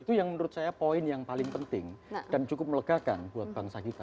itu yang menurut saya poin yang paling penting dan cukup melegakan buat bangsa kita